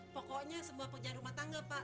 pokoknya semua punya rumah tangga pak